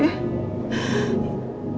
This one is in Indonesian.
ibu yang sabar